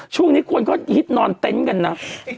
ช่วงนี้คนก็ฮิตนอนเต็นต์กันนะ